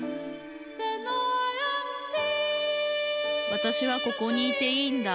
わたしはここにいていいんだ